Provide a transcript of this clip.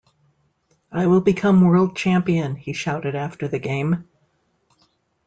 "I will become world champion", he shouted after the game.